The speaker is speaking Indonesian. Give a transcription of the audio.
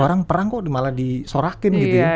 orang perang kok malah disorakin gitu ya